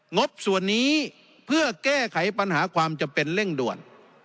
บส่วนนี้เพื่อแก้ไขปัญหาความจำเป็นเร่งด่วน